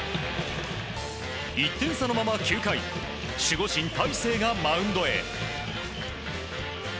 １点差のまま９回守護神・大勢がマウンドへ。